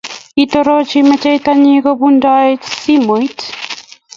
Kitoroch mecheita nyii kobuntoe simoit.